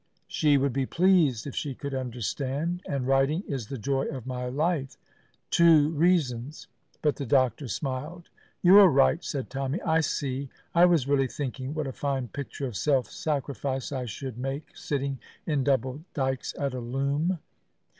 "She would be pleased if she could understand, and writing is the joy of my life two reasons." But the doctor smiled. "You are right," said Tommy. "I see I was really thinking what a fine picture of self sacrifice I should make sitting in Double Dykes at a loom!"